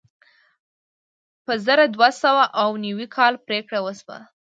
په زر دوه سوه اوه نوي کال پرېکړه وشوه.